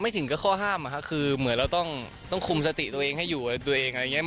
ถึงก็ข้อห้ามคือเหมือนเราต้องคุมสติตัวเองให้อยู่กับตัวเองอะไรอย่างนี้